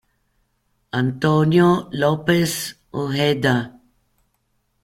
Antonio López Ojeda